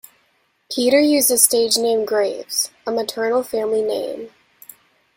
Peter used the stage name "Graves", a maternal family name.